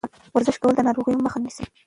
ورزش کول د ناروغیو مخه نیسي.